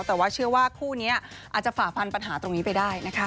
แต่ว่าเชื่อว่าคู่นี้อาจจะฝ่าฟันปัญหาตรงนี้ไปได้นะคะ